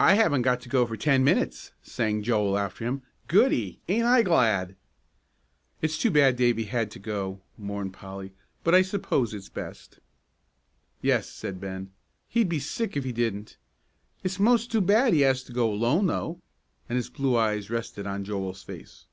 "I haven't got to go for ten minutes," sang Joel after him. "Goody, ain't I glad!" "It's too bad Davie had to go," mourned Polly; "but I suppose it's best." "Yes," said Ben, "he'd be sick if he didn't. It's most too bad he has to go alone, though," and his blue eyes rested on Joel's face.